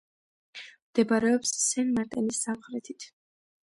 მდებარეობს სენ-მარტენის სამხრეთით.